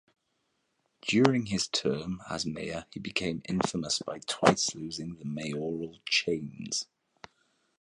During his term as mayor he became infamous by twice losing the mayoral chains.